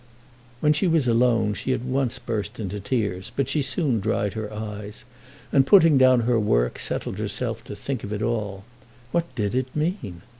When she was alone she at once burst into tears; but she soon dried her eyes, and putting down her work, settled herself to think of it all. What did it mean?